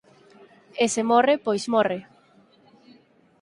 E se morre, pois morre!